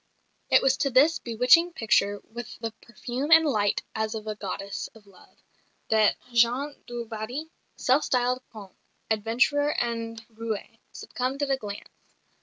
It was to this bewitching picture, "with the perfume and light as of a goddess of love," that Jean du Barry, self styled Comte, adventurer and roué, succumbed at a glance.